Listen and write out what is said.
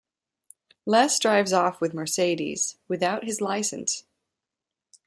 Les drives off with Mercedes, without his license.